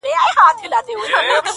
دریم یار په ځان مغرور نوم یې دولت وو.!